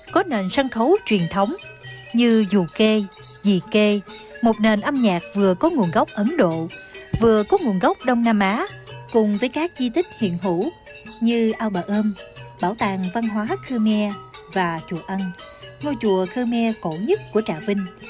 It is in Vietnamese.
có nền sân khấu truyền thống như dù kê dì kê một nền âm nhạc vừa có nguồn gốc ấn độ vừa có nguồn gốc đông nam á cùng với các di tích hiện hữu như ao bà ôm bảo tàng văn hóa khmer và chùa ân ngôi chùa khmer cổ nhất của trà vinh